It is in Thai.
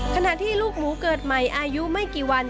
ขณะที่ลูกหนูเกิดใหม่อายุไม่กี่วัน